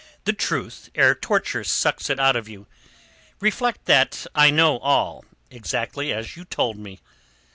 The truth, ere torture sucks it out of you. Reflect that I know all—exactly as you told it me.